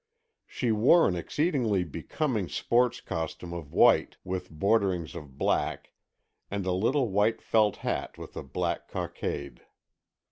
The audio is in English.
She wore an exceedingly becoming sports costume of white with borderings of black, and a little white felt hat with a black cockade.